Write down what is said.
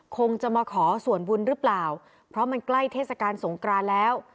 คงจะมาขอส่วนบุญหรือเปล่าเพราะมันใกล้เทศกาลสงกรานแล้ว